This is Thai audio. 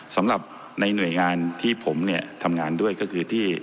สำหรับในหน่วยงานที่ผมเนี่ยทำงานด้วยก็คือที่